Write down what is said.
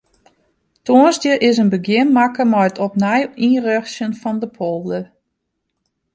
Tongersdei is in begjin makke mei it opnij ynrjochtsjen fan de polder.